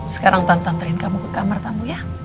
sekarang tante anterin kamu ke kamar kamu ya